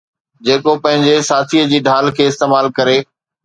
جيڪو پنهنجي ساٿيءَ جي ڍال کي استعمال ڪري.